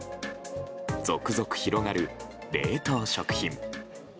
続々、広がる冷凍食品。